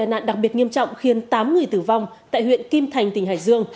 một tài nạn đặc biệt nghiêm trọng khiến tám người tử vong tại huyện kim thành tỉnh hải dương